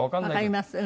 わかります。